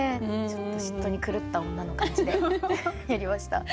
ちょっと嫉妬に狂った女の感じでやりました。